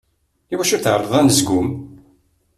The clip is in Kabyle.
I wacu tεelleḍt anezgum?